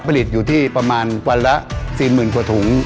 ผลิตอยู่ที่ประมาณวันละ๔๐๐๐กว่าถุง